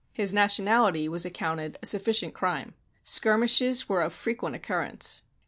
His nationality was accounted a sufficient crime. Skirmishes were of frequent occurrence.